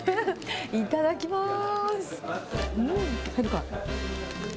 いただきます。